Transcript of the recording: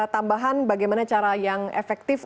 tambahan bagaimana cara yang efektif